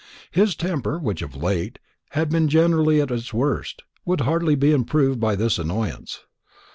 His temper, which of late had been generally at its worst, would hardly be improved by this annoyance.